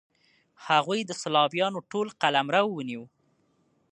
هغوی د سلاویانو ټول قلمرو ونیو.